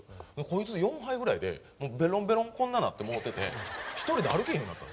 こいつ４杯ぐらいでもうベロンベロンこんなんなってもうてて１人で歩けへんかったんですよ。